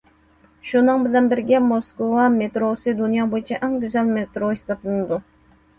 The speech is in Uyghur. شۇنىڭ بىلەن بىرگە، موسكۋا مېتروسى دۇنيا بويىچە ئەڭ گۈزەل مېترو ھېسابلىنىدۇ.